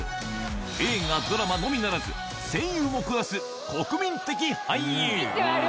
映画、ドラマのみならず、声優もこなす国民的俳優。